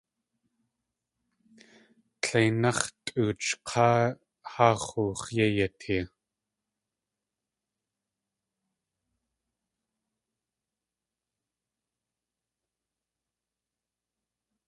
Tléináx̲ tʼoochʼ k̲áa haa x̲oo yéi yatee.